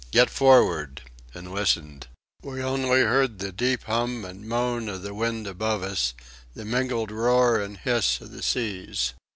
Get forward," and listened. We only heard the deep hum and moan of the wind above us, the mingled roar and hiss of the seas.